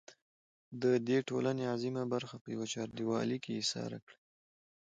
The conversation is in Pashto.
د دې ټـولنې اعظـيمه بـرخـه پـه يـوه چـارديـوالي کـې اېـسارې کـړي.